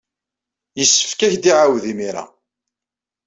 Yessefk ad ak-d-iɛawed imir-a.